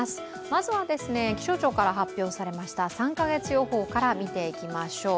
まずは気象庁から発表されました３か月予報から見ていきましょう。